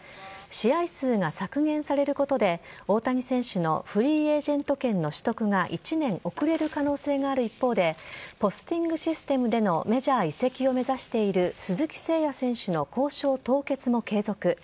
試合数が削減されることで、大谷選手のフリーエージェント権の取得が１年遅れる可能性がある一方で、ポスティングシステムでのメジャー移籍を目指している鈴木誠也選手の交渉凍結も継続。